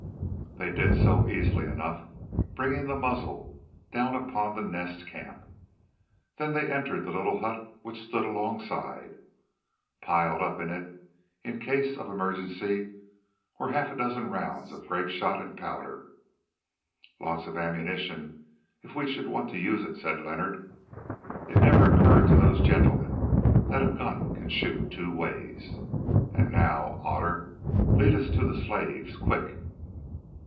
They did so easily enough, bringing the muzzle down upon the Nest camp; then they entered the little hut which stood alongside. Piled up in it, in case of emergency, were half a dozen rounds of grape shot and powder. "Lots of ammunition, if we should want to use it," said Leonard. "It never occurred to those gentlemen that a gun can shoot two ways. And now, Otter, lead us to the slaves, quick."